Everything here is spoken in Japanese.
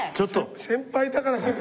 先輩だからって。